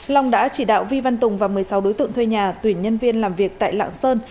long đã chỉ đạo vi văn tùng và một mươi sáu đối tượng thuê nhà tuyển nhân viên làm việc tại lạng sơn